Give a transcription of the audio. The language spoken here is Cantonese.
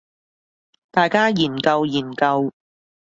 大家研究研究